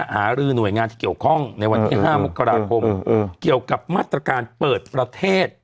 หารือหน่วยงานที่เกี่ยวข้องในวันที่๕มกราคมเกี่ยวกับมาตรการเปิดประเทศ